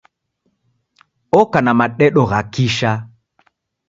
Oka na madedo gha kisha.